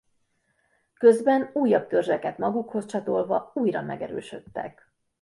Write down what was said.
Közben újabb törzseket magukhoz csatolva újra megerősödtek.